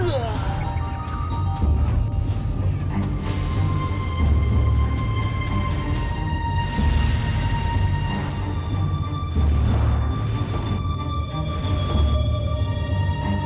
enggak saya yang kekenyangan